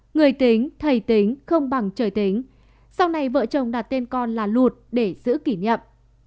người tính thầy tính không bằng trời tính sau này vợ chồng đặt tên con là lụt để giữ kỷ niệm